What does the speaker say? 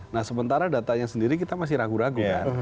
nah sementara datanya sendiri kita masih ragu ragu kan